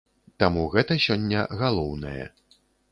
Таму гэта сёння галоўнае.